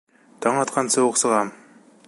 Таң атҡансы уҡ сығам.